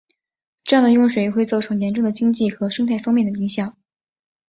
这样的用水会造成严重的经济和生态方面的影响。